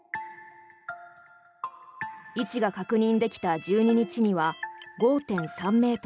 位置が確認できた１２日には５．３ｍに。